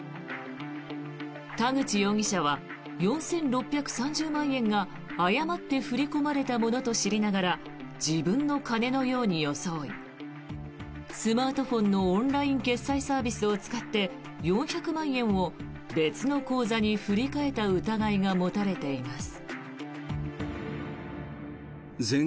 田口容疑者は４６３０万円が誤った振り込まれたものと知りながら自分の金のように装いスマートフォンのオンライン決済サービスを使って４００万円を別の口座に振り替えた疑いが持たれています。